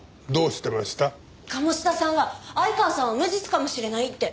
鴨志田さんは相川さんは無実かもしれないって。